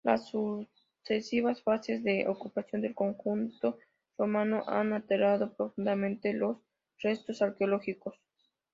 Las sucesivas fases de ocupación del conjunto romano han alterado profundamente los restos arqueológicos.